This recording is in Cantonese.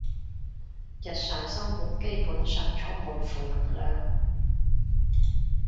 日常生活基本上充滿負能量